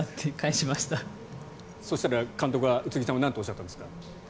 そしたら、監督は宇津木さんはなんとおっしゃったんですか？